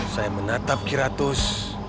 saya menatap kiratus